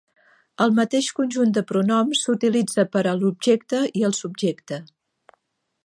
El mateix conjunt de pronoms s'utilitza per a l'objecte i el subjecte.